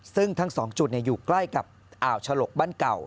ซึ่งทั้ง๒จุดอยู่ใกล้กับอ่าวฉลกบ้านเก่า